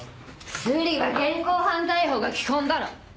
スリは現行犯逮捕が基本だろ。